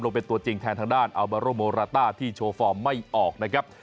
เป็นตัวจริงแทนทางด้านอัลบาโรโมราต้าที่โชว์ฟอร์มไม่ออกนะครับ